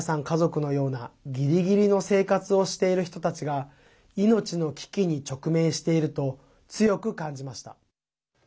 家族のようなギリギリの生活をしている人たちが命の危機に直面していると強く感じました。